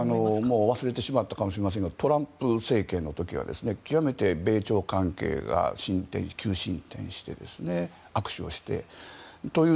もう忘れてしまったかもしれませんがトランプ政権の時は極めて米朝関係が急進展して握手をしてという。